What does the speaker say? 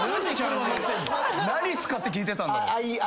何使って聴いてたんだろう。